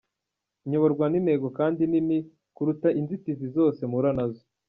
Nyoborwa n’intego kandi nini kuruta inzitizi zose mpura nazo.